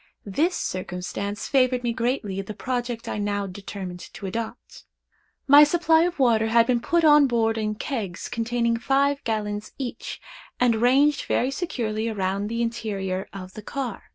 This circumstance favored me greatly in the project I now determined to adopt. My supply of water had been put on board in kegs containing five gallons each, and ranged very securely around the interior of the car.